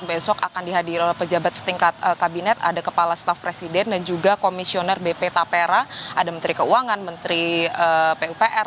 besok akan dihadiri oleh pejabat setingkat kabinet ada kepala staf presiden dan juga komisioner bp tapera ada menteri keuangan menteri pupr